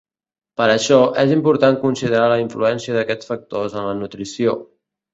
Per això, és important considerar la influència d'aquests factors en la nutrició.